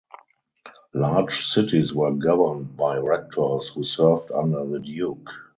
Large cities were governed by Rectors who served under the Duke.